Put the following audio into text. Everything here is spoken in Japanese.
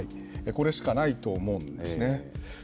これしかないと思うんですね。